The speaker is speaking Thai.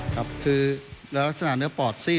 คือและลักษณะเนื้อปอดซีด